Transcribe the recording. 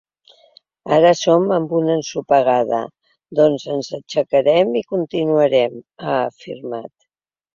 Ara som en una ensopegada, doncs ens aixecarem i continuarem, ha afirmat.